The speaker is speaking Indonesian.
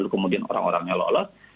kemudian orang orangnya lolos